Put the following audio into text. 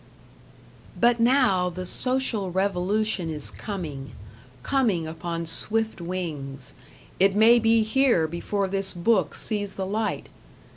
But now the Social Revolution is coming; coming upon swift wings it may be here before this book sees the light.